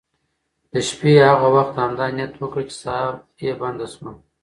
د شپې یې هغه وخت همدا نیت وکړ چې ساه یې بنده شوه.